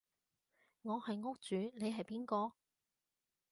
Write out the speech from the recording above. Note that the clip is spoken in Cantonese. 我係屋主你係邊個？